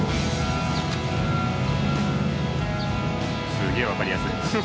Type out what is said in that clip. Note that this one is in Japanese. すげえ分かりやすい。